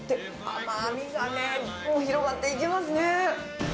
甘みがね、広がっていきますね。